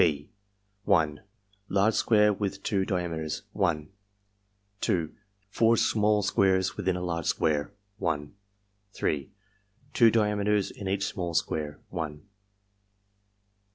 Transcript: (6) 1. Large square with two diameters 1 2. Four small squares within a large square 1 3. Two diameters in each small square 1 4.